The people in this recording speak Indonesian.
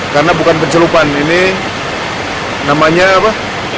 karena bukan pencelupan ini namanya apa